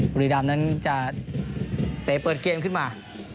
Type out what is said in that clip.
กุฏิดำนั้นจะเปิดเกมขึ้นมา